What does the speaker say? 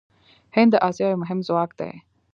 هند د اسیا یو مهم ځواک دی.